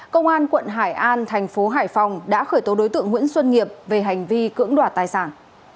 công an quận hải an thành phố hải phòng đã khởi tố đối tượng nguyễn xuân nghiệp về hành vi cưỡng đoạt tài sản